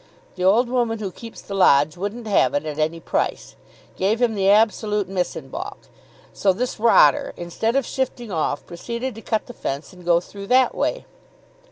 The old woman who keeps the lodge wouldn't have it at any price. Gave him the absolute miss in baulk. So this rotter, instead of shifting off, proceeded to cut the fence, and go through that way.